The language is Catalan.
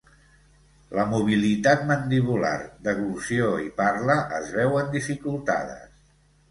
La mobilitat mandibular, deglució i parla es veuen dificultades.